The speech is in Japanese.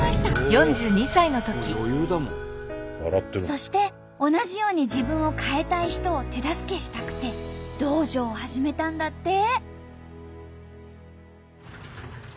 そして同じように自分を変えたい人を手助けしたくて道場を始めたんだって！